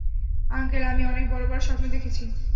Uncle আমি, অনেক বড় বড় স্বপ্ন দেখেছি।